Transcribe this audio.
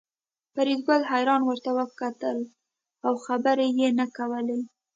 فریدګل حیران ورته کتل او خبرې یې نه کولې